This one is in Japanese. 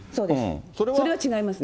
それは違いますね。